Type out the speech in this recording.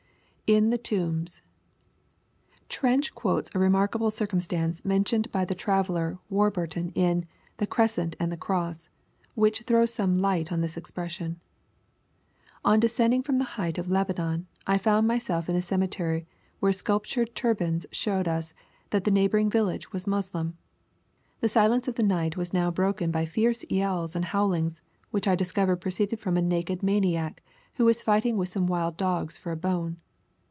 [In the tombs,] Trench quotes a remarkable circumstance, mentioned bv the traveller Warburton, in " The Crescent and the Cross," which throws some light on this expression. "On de scending from the height of Lebanon, I found myself in a ceme tery, where sculptured turbans showed. us, that the neighboring viUage was Moslem. The silence of the night was now broken by fierce yells and bowlings, which I discovered proceeded from a naked maniac, who was fighting with some wild dogs for a bone.